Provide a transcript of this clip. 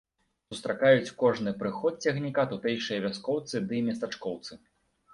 Сустракаюць кожны прыход цягніка тутэйшыя вяскоўцы ды местачкоўцы.